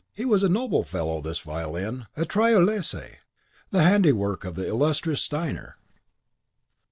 He was a noble fellow, this Violin! a Tyrolese, the handiwork of the illustrious Steiner.